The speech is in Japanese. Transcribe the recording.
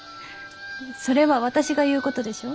それは私が言うことでしょ？